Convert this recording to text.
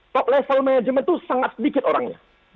top level manajemen tuh sangat sedikit orangnya